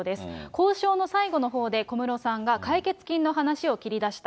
交渉の最後のほうで小室さんが解決金の話を切り出した。